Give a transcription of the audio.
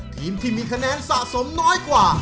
ทีมที่มีคะแนนสะสมน้อยกว่า